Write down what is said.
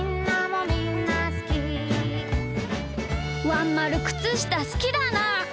「ワンまるくつしたすきだなー。